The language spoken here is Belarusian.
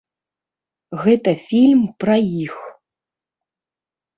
Гэта фільм пра іх.